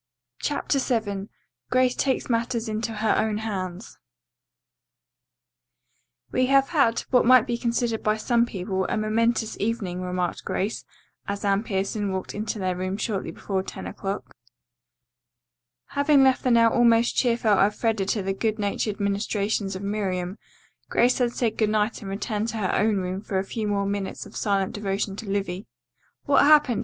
CHAPTER VII GRACE TAKES MATTERS INTO HER OWN HANDS "We have had, what might be considered by some people, a momentous evening," remarked Grace as Anne Pierson walked into their room shortly before ten o'clock. Having left the now almost cheerful Elfreda to the good natured ministrations of Miriam, Grace had said good night and returned to her own room for a few more minutes of silent devotion to Livy. "What happened?"